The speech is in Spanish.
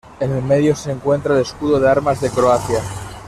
En el medio se encuentra el escudo de armas de Croacia.